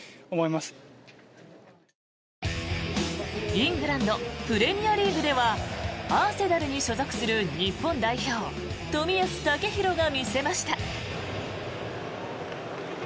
イングランドプレミアリーグではアーセナルに所属する日本代表冨安健洋が見せました。